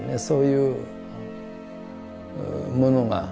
そういうものが。